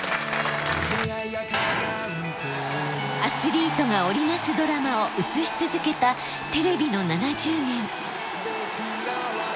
アスリートが織り成すドラマを映し続けたテレビの７０年。